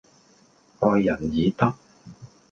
愛人以德